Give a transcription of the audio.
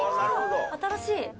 新しい。